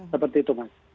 seperti itu mas